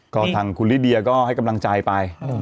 ก็ทางคุณลิเดียก็ให้กำลังใจไป